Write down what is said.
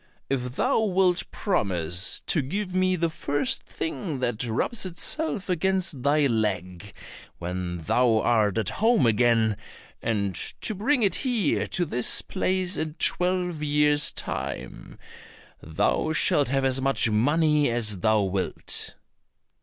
"If thou wilt promise to give me the first thing that rubs itself against thy leg when thou art at home again, and to bring it here to this place in twelve years' time, thou shalt have as much money as thou wilt."